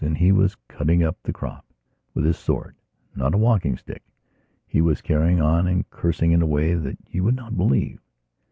And he was cutting up that cropwith his sword, not a walking stick. He was also carrying on and cursing in a way you would not believe.